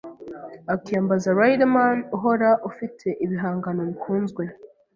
akiyambaza Riderman uhora ufite ibihangano bikunzwe